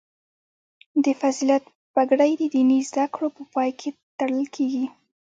د فضیلت پګړۍ د دیني زده کړو په پای کې تړل کیږي.